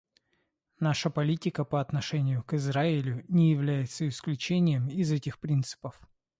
Наша политика по отношению к Израилю не является исключением из этих принципов.